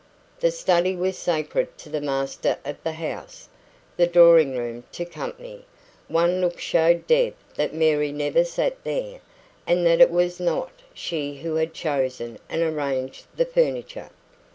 The study was sacred to the master of the house; the drawing room to "company". One look showed Deb that Mary never sat there, and that it was not she who had chosen and arranged the furniture.